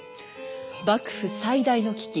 幕府最大の危機